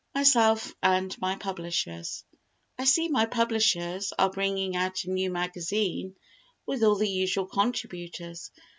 Myself and My Publishers I see my publishers are bringing out a new magazine with all the usual contributors.